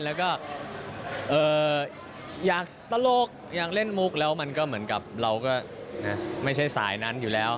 แล้วก็อยากตลกอยากเล่นมุกแล้วมันก็เหมือนกับเราก็ไม่ใช่สายนั้นอยู่แล้ว